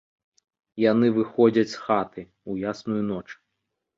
Яны выходзяць з хаты, у ясную ноч.